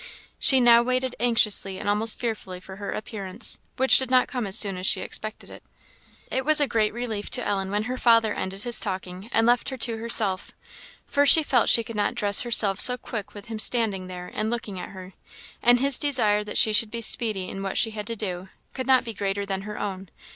She now waited anxiously and almost fearfully for her appearance, which did not come as soon as she expected it. It was a great relief to Ellen when her father ended his talking, and left her to herself; for she felt she could not dress herself so quick with him standing there and looking at her, and his desire that she should be speedy in what she had to do, could not be greater than her own.